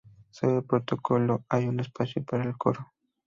Sobre el pórtico hay un espacio para el coro.